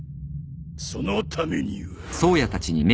そのためには。